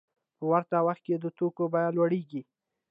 په ورته وخت کې د توکو بیه لوړېږي